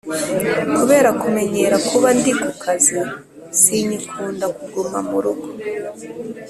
Kubera kumenyera kuba ndi ku kazi sinyikunda kuguma mu rugo